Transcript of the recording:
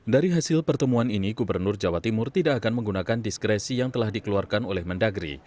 dari hasil pertemuan ini gubernur jawa timur tidak akan menggunakan diskresi yang telah dikeluarkan oleh mendagri